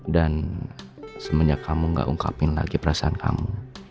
dan semenjak kamu gak ungkapin lagi perasaan kamu